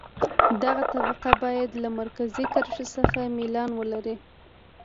دغه طبقه باید له مرکزي کرښې څخه میلان ولري